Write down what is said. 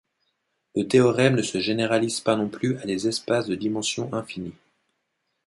Le théorème ne se généralise pas non plus à des espaces de dimension infinie.